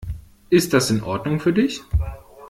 Ist das in Ordnung für dich?